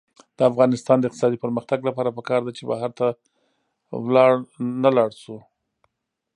د افغانستان د اقتصادي پرمختګ لپاره پکار ده چې بهر ته نلاړ شو.